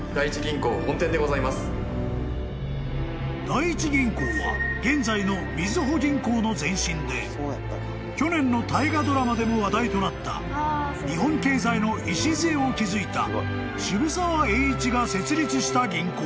［第一銀行は現在のみずほ銀行の前身で去年の大河ドラマでも話題となった日本経済の礎を築いた］